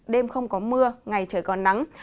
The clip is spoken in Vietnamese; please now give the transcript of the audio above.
đêm không có mưa ngày trời còn nắng